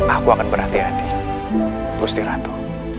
aku akan berhati hati gusti ratu